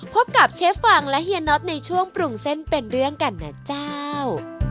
พบกับเชฟฟังและเฮียน็อตในช่วงปรุงเส้นเป็นเรื่องกันนะเจ้า